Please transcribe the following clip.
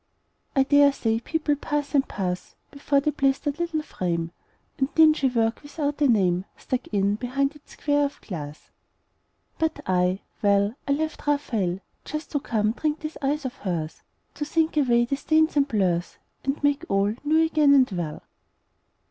I dare say people pass and pass Before the blistered little frame, And dingy work without a name Stuck in behind its square of glass. But I, well, I left Raphael Just to come drink these eyes of hers, To think away the stains and blurs And make all new again and well.